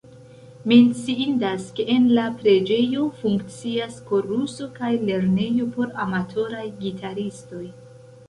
Menciindas, ke en la preĝejo funkcias koruso kaj lernejo por amatoraj gitaristoj.